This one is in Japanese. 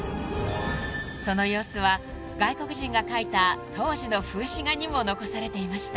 ［その様子は外国人が描いた当時の風刺画にも残されていました］